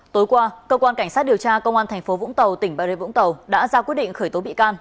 tối qua cơ quan cảnh sát điều tra công an tp vũng tàu tỉnh bà rê vũng tàu đã ra quyết định khởi tố bị can